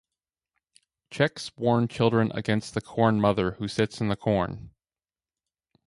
Czechs warn children against the Corn Mother who sits in the corn.